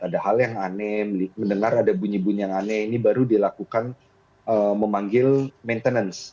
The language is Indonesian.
ada hal yang aneh mendengar ada bunyi bunyi yang aneh ini baru dilakukan memanggil maintenance